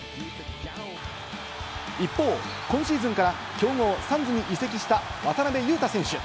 一方、今シーズンから強豪・サンズに移籍した渡邊雄太選手。